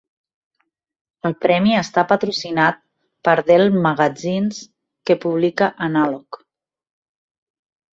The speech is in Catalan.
El premi està patrocinat per Dell Magazines, que publica "Analog".